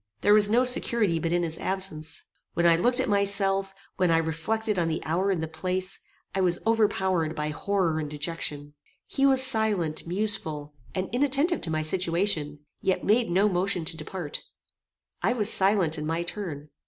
There was no security but in his absence. When I looked at myself, when I reflected on the hour and the place, I was overpowered by horror and dejection. He was silent, museful, and inattentive to my situation, yet made no motion to depart. I was silent in my turn.